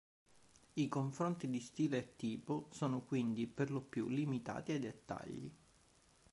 I confronti di stile e tipo sono quindi per lo più limitati ai dettagli.